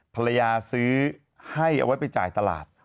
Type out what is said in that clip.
ซื้อให้เอาไว้ไปจ่ายตลาด